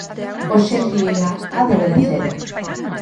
Hoxe en día a débeda é cero.